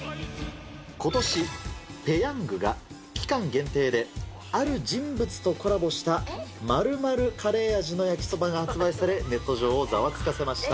ことし、ペヤングが期間限定で、ある人物とコラボした○○カレー味のやきそばが発売され、ネット上をざわつかせました。